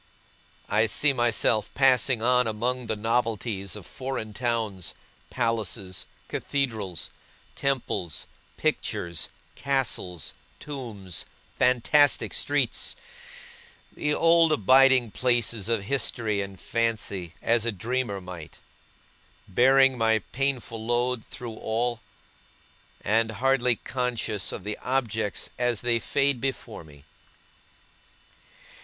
I see myself passing on among the novelties of foreign towns, palaces, cathedrals, temples, pictures, castles, tombs, fantastic streets the old abiding places of History and Fancy as a dreamer might; bearing my painful load through all, and hardly conscious of the objects as they fade before me.